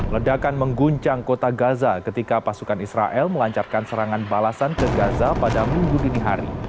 ledakan mengguncang kota gaza ketika pasukan israel melancarkan serangan balasan ke gaza pada minggu dini hari